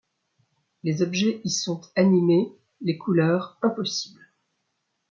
Les objets y sont animés, les couleurs impossibles.